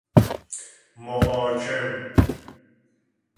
محاکم